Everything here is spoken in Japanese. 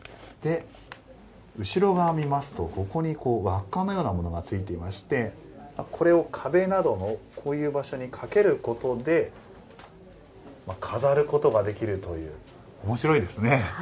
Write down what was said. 後ろ側を見ますと輪っかのようなものがついていましてこれを壁などにかけることで飾ることができるというおもしろいですね。